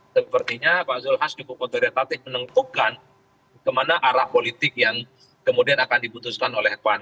sepertinya pak zulhas cukup otoritatif menentukan kemana arah politik yang kemudian akan diputuskan oleh pan